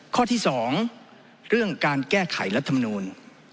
ข้อที่๒เรื่องการแก้ไขรัฐมนูล